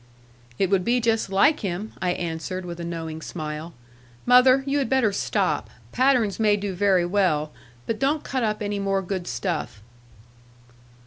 'It would be just like him,' I answered, with a knowing smile: 'Mother, you had better stop. Patterns may do very well; but don't cut up any more good stuff.'